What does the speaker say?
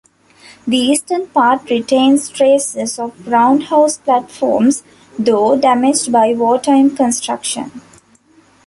The eastern part retains traces of round house platforms, though damaged by wartime construction.